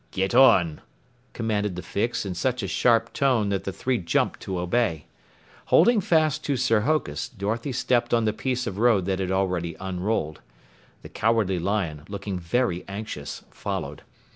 "Get on," commanded the Fix in such a sharp tone that the three jumped to obey. Holding fast to Sir Hokus, Dorothy stepped on the piece of road that had already unrolled. The Cowardly Lion, looking very anxious, followed.